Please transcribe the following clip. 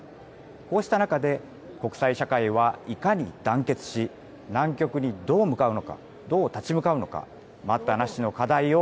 こうした中で、国際社会はいかに団結し難局にどう向かうのかどう立ち向かうのか待ったなしの課題を